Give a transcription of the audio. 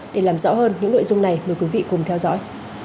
để làm rõ hơn những nội dung này mời quý vị cùng theo dõi